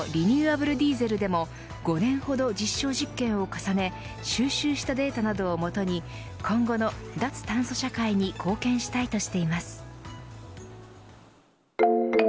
アブルディーゼルでも５年ほど実証実験を重ね収集したデータなどをもとに今後の脱炭素社会に貢献したいとしています。